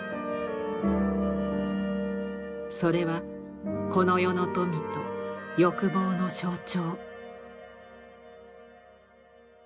それはこの世の富と欲望の象徴。